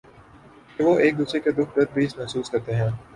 کہ وہ ایک دوسرے کا دکھ درد بھی محسوس کرتے ہیں ۔